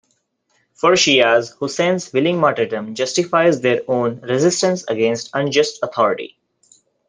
For Shias, Husayn's willing martyrdom justifies their own resistance against unjust authority.